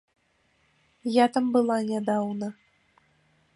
Я там была нядаўна.